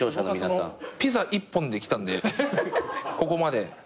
僕はそのピザ一本できたんでここまで。